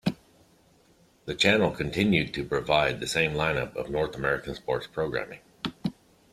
The channel continued to provide the same lineup of North American sports programming.